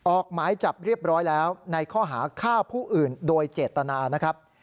ออกหมายจับเรียบร้อยแล้วในข้อหาฆ่าผู้อื่นโดยเจตนานะครับ